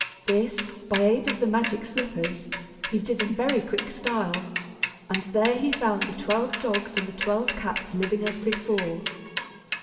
This, by aid of the magic slippers, he did in very quick style, and there he found the twelve dogs and the twelve cats living as before.